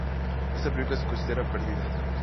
Esta película se considera perdida.